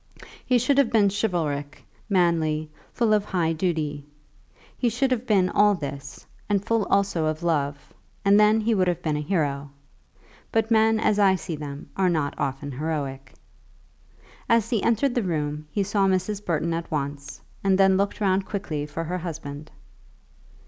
He should have been chivalric, manly, full of high duty. He should have been all this, and full also of love, and then he would have been a hero. But men as I see them are not often heroic. As he entered the room he saw Mrs. Burton at once, and then looked round quickly for her husband.